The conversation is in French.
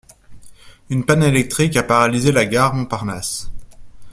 Une panne électrique a paralysé la gare Montparnasse.